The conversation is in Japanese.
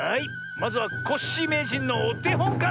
まずはコッシーめいじんのおてほんから。